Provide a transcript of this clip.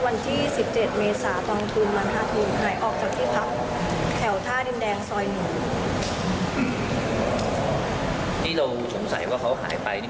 น่าจะมีคนโทรเรียกเขาแล้วก็หายไปเลย